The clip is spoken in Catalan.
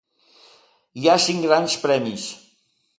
Hi ha cinc grans premis.